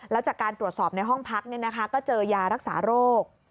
แล้วจากการตรวจสอบในห้องพักก็เจอยารักษาโรค